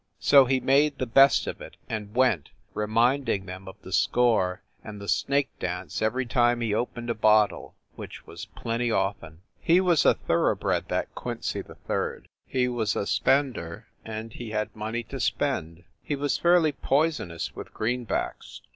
So he made the best of it and went, reminding them of the score and the snake dance every time he opened a bottle, which was plenty often. He was a thoroughbred, that Quincy 3d. He was a spender, and he had money to spend. He WYCHERLEY COURT 245 was fairly poisonous with greenbacks.